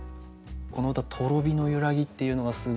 この歌「とろ火のゆらぎ」っていうのがすごいいい。